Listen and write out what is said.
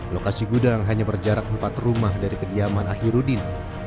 lokasi gudang hanya berjarak empat rumah dari kediaman akhirudin